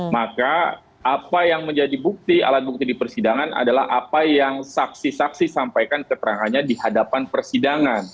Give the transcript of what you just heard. maka apa yang menjadi bukti alat bukti di persidangan adalah apa yang saksi saksi sampaikan keterangannya di hadapan persidangan